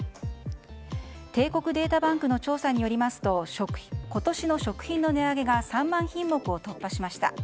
帝国データバンクの調査によりますと今年の食品の値上げが３万品目を突破しました。